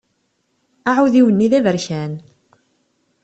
Aɛudiw-nni d aberkan.